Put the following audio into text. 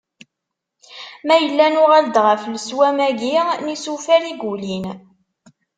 Ma yella nuɣal-d ɣef leswam-agi n yisufar i yulin.